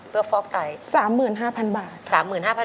ต้องฟล็อกไต๓๕๐๐๐บาท